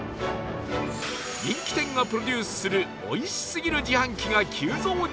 人気店がプロデュースするおいしすぎる自販機が急増中